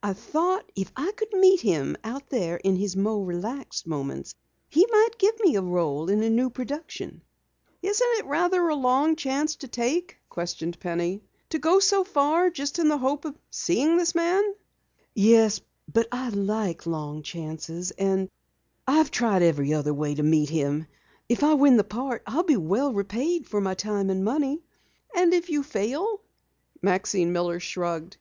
I thought if I could meet him out there in his more relaxed moments, he might give me a role in the new production." "Isn't it a rather long chance to take?" questioned Penny. "To go so far just in the hope of seeing this man?" "Yes, but I like long chances. And I've tried every other way to meet him. If I win the part I'll be well repaid for my time and money." "And if you fail?" Maxine Miller shrugged.